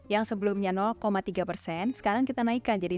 yang sebelumnya tiga persen sekarang kita naikkan jadi